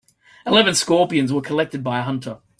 Eleven scorpions were collected by a hunter.